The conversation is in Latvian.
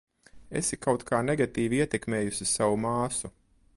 Esi kaut kā negatīvi ietekmējusi savu māsu.